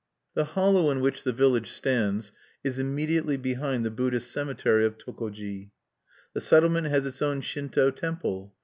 "The hollow in which the village stands is immediately behind the Buddhist cemetery of Tokoji. The settlement has its own Shinto temple.